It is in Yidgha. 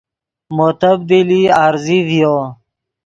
مو تبدیلی عارضی ڤیو